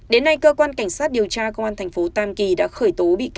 đến nay cơ quan cảnh sát điều tra công an tp tam kỳ đã khởi tố bị can hai mươi bốn đối tượng